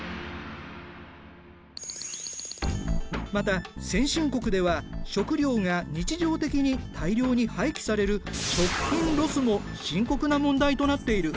また先進国では食料が日常的に大量に廃棄される食品ロスも深刻な問題となっている。